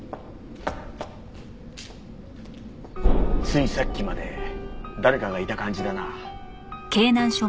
ついさっきまで誰かがいた感じだな。